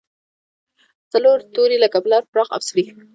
څلور توري لکه پلار، پراخ او سرېښ.